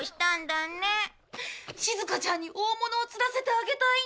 しずかちゃんに大物を釣らせてあげたいんだ。